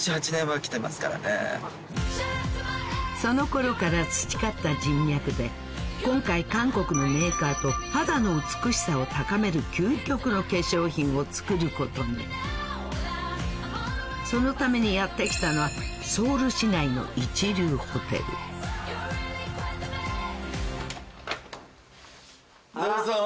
その頃から培った人脈で今回韓国のメーカーと肌の美しさを高める究極の化粧品を作ることにそのためにやって来たのはソウル市内の一流ホテルどうぞ。